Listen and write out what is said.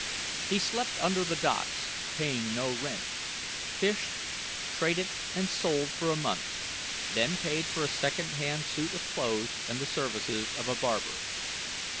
He slept under the docks paying no rent fished, traded, and sold for a month, then paid for a second hand suit of clothes and the services of a barber.